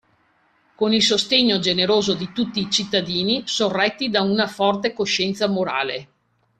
Con il sostegno generoso di tutti i cittadini, sorretti da una forte coscienza morale.